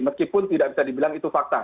meskipun tidak bisa dibilang itu fakta